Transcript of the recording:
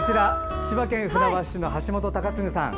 千葉県船橋市の橋本貴次さん。